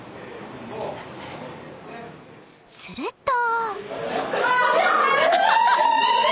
［すると］